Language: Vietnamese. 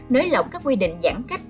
nới lộng các quy định giãn cách